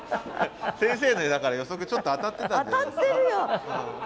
先生のだから予測ちょっと当たってたんじゃないですか。